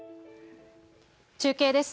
中継です。